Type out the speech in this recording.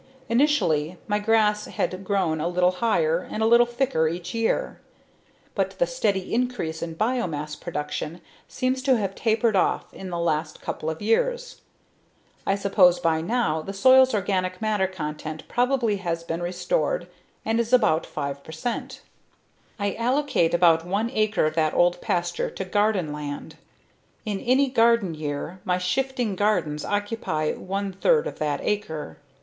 Initially, my grass had grown a little higher and a little thicker each year. But the steady increase in biomass production seems to have tapered off in the last couple of years. I suppose by now the soil's organic matter content probably has been restored and is about 5 percent. I allocate about one acre of that old pasture to garden land. In any given year my shifting gardens occupy one third of that acre.